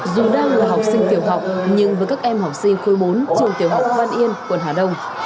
dù đang là học sinh tiểu học nhưng với các em học sinh khối bốn trường tiểu học văn yên quận hà đông